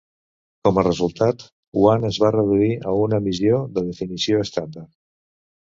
Com a resultat, One es va reduir a una emissió de definició estàndard.